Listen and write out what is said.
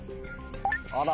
あら！